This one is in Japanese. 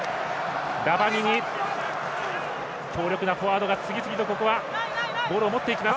ラバニニ、強力なフォワードが次々とボールを持っていきます